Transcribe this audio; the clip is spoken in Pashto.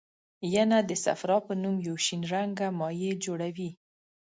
ینه د صفرا په نامه یو شین رنګه مایع جوړوي.